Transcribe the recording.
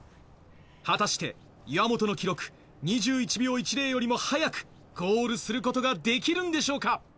果たして、岩本の記録、２１秒１０よりも速く、ゴールすることができるんでしょうか。